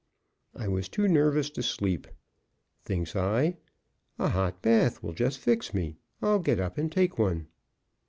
I was too nervous to sleep. Thinks I, "A hot bath will just fix me. I'll get up and take one."